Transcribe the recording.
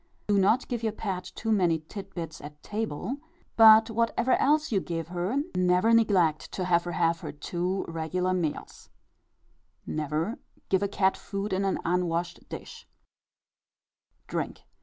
Do not give your pet too many tit bits at table; but whatever else you give her, never neglect to let her have her two regular meals. Never give a cat food in an unwashed dish. DRINK.